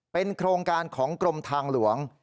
เป็นโครงการของกรมทางหลวง